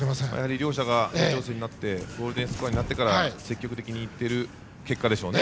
両者がけんか四つでゴールデンスコアになってから積極的にいっている結果でしょうね。